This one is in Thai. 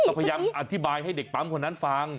ก็พยายามอธิบายให้เด็กปั๊มคนนั้นฟัง